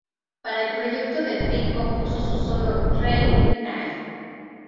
Para el proyecto de Trick compuso su solo "Rainy Night".